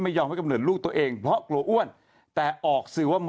ยอมให้กำเนิดลูกตัวเองเพราะกลัวอ้วนแต่ออกสื่อว่าหมอ